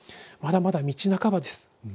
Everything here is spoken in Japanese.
まだまだ道半ばです。